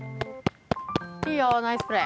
いいよナイスプレイ。